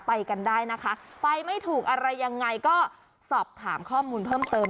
ไปกันได้นะคะไปไม่ถูกอะไรยังไงก็สอบถามข้อมูลเพิ่มเติม